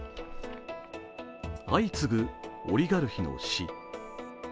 相次ぐオリガルヒの死。